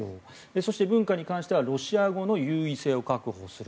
そして、文化に関してはロシア語の優位性を確保する。